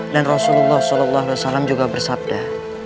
dan rasulullah saw juga bersabda